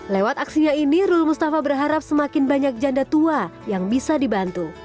lewat aksinya ini rul mustafa berharap semakin banyak janda tua yang bisa dibantu